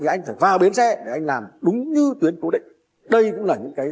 thì anh phải vào bến xe để anh làm đúng như tuyến cố định